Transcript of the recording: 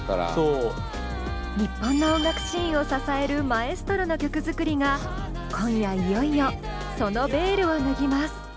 日本の音楽シーンを支えるマエストロの曲作りが今夜いよいよそのベールを脱ぎます。